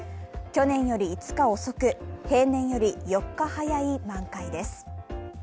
去年より５日遅く、平年より４日早い満開です。